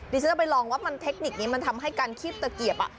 ฉันจะไปลองว่ามันเทคนิคนี้มันทำให้การคีบตะเกียบ